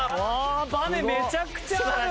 バネめちゃくちゃある！